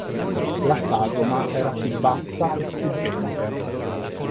La sagoma era più bassa e sfuggente.